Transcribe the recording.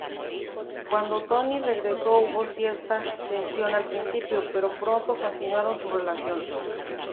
Cuando Tony regresó hubo cierta tensión al principio, pero pronto continuaron su relación.